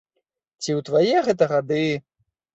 Ці ў твае гэта гады!